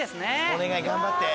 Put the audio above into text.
お願い頑張って！